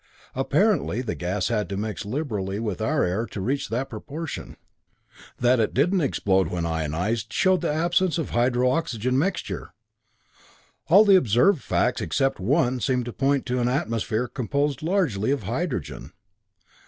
Apparently the gas had to mix liberally with our air to reach that proportion. That it didn't explode when ionized, showed the absence of hydro oxygen mixture. "All the observed facts except one seem to point to an atmosphere composed largely of hydrogen.